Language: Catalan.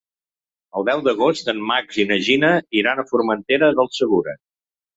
El deu d'agost en Max i na Gina iran a Formentera del Segura.